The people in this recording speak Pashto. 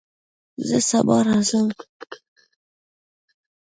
زه سبا راځم